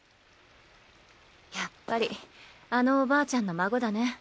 やっぱりあのおばあちゃんの孫だね。